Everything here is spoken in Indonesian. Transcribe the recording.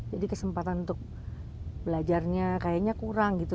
jadi kesempatan untuk belajarnya kayaknya kurang gitu